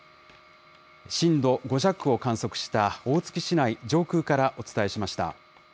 震度５弱を観測した大月市内上空からお伝えしました。